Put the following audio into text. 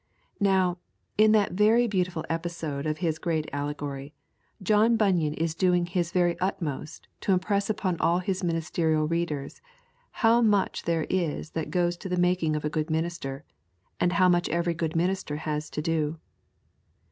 Now, in that very beautiful episode of his great allegory, John Bunyan is doing his very utmost to impress upon all his ministerial readers how much there is that goes to the making of a good minister, and how much every good minister has to do.